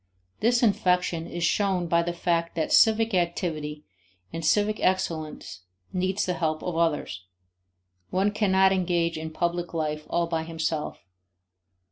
This infection is shown by the fact that civic activity and civic excellence need the help of others; one cannot engage in public life all by himself.